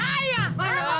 bapak ji jalanan sama saya